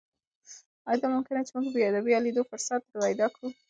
ایا دا ممکنه ده چې موږ بیا د لیدو فرصت پیدا کړو؟